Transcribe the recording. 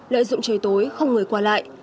lợi dụng trời tối không người qua lại